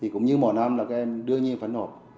cũng như mỗi năm là các em đương nhiên phải nộp